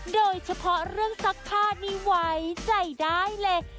โดยเฉพาะเรื่องซักผ้านี่ไว้ใจได้เลย